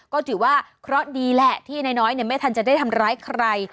ก็ถือว่าเคราะห์ดีแหละที่นายน้อยไม่ทันจะได้ทำร้ายใคร